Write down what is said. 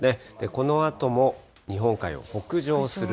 このあとも日本海を北上する